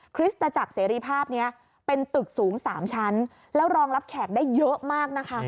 คริสตจักรเสรีภาพนี้เป็นตึกสูง๓ชั้นแล้วรองรับแขกได้เยอะมากนะคะ